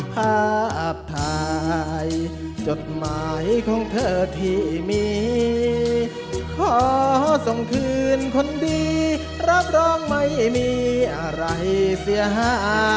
ภาพถ่ายจดหมายของเธอที่มีขอส่งคืนคนดีรับรองไม่มีอะไรเสียหาย